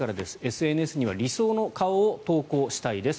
ＳＮＳには理想の顔を投稿したいです。